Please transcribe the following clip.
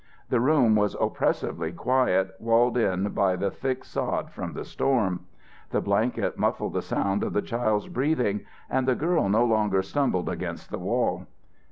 The room was oppressively quiet, walled in by the thick sod from the storm. The blanket muffled the sound of the child's breathing and the girl no longer stumbled against the wall.